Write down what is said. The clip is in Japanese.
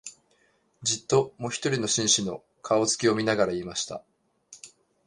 じっと、もひとりの紳士の、顔つきを見ながら言いました